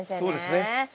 そうですね。